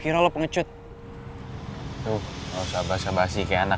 kalian cowok cowok ini baru terus choosing mechanic